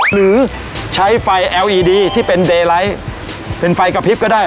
หรือใช้ไฟแอลอีดีที่เป็นเดไลท์เป็นไฟกระพริบก็ได้